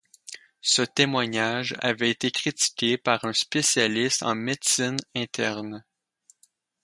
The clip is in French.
Ce témoignage avait été critiqué par un spécialiste en médecine interne.